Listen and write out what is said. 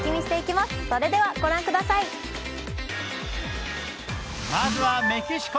まずはメキシコ。